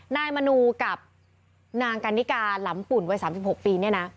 นายมนูกับนางกันนิกาหลำปุ่นวัย๓๖ปีเนี่ยนะ